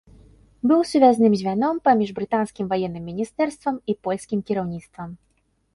Быў сувязным звяном паміж брытанскім ваенным міністэрствам і польскім кіраўніцтвам.